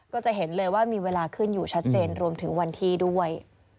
ก็จะเห็นเลยว่ามีเวลาขึ้นอยู่ชัดเจนรวมถึงวันที่ด้วย